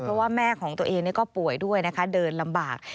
เพราะว่าแม่ของตัวเองก็ป่วยด้วยนะคะเดินลำบาก